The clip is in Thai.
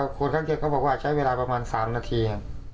คนข้างเด็กเขาบอกว่าใช้เวลาประมาณ๓นาที